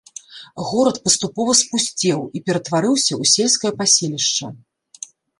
Горад паступова спусцеў і ператварыўся ў сельскае паселішча.